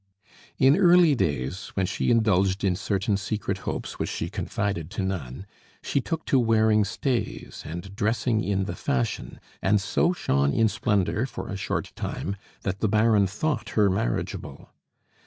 In early days, when she indulged in certain secret hopes which she confided to none, she took to wearing stays, and dressing in the fashion, and so shone in splendor for a short time, that the Baron thought her marriageable.